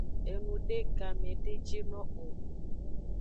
Enude game de jino o.